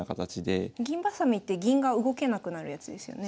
銀ばさみって銀が動けなくなるやつですよね？